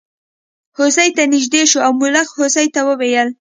هوسۍ ته نژدې شو او ملخ هوسۍ ته وویل.